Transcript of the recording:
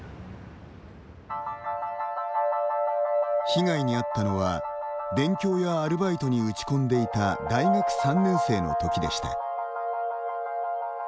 被害に遭ったのは、勉強やアルバイトに打ち込んでいた大学３年生の時でした。